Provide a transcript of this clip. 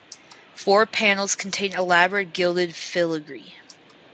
Four panels contain elaborate gilded filigree.